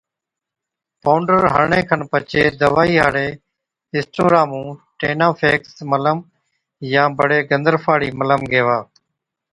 پونڊر هڻڻي کن پڇي دَوائِي هاڙي اسٽورا مُون ٽِينافيڪس ملم يان بڙي گندرفا هاڙِي ملم گيهوا